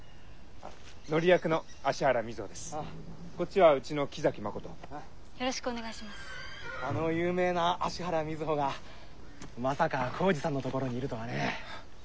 あの有名な芦原瑞穂がまさか光司さんのところにいるとはね。